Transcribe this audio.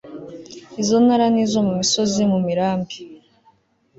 izo ntara ni izo mu misozi, mu mirambi